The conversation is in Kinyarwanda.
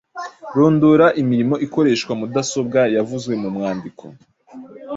Rondora imirimo ikoreshwa mudasobwa yavuzwe mu mwandiko.